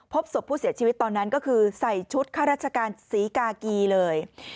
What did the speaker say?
พบศพผู้เสียชีวิตตอนนั้นก็คือใส่ชุดข้าราชการศรีกากีเลย